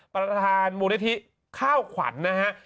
ประธานมูลนิธิข้าวขวัญนะฮะ